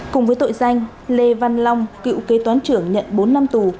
cùng với tội danh lê văn long cựu kế toán trưởng nhận bốn năm tù